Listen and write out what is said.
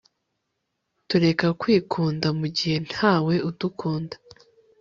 Tureka kwikunda mugihe ntawe udukunda